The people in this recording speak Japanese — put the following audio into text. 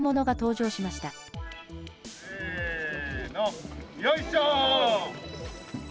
せーの、よいしょ！